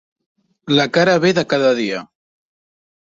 La cara be de cada dia.